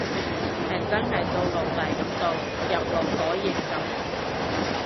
係真係做奴隸噉做，入勞改營噉